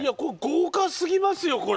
豪華すぎますよこれ。